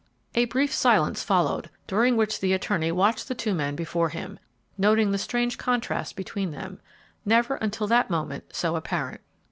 A brief silence followed, during which the attorney watched the two men before him, noting the strange contrast between them, never until that moment so apparent.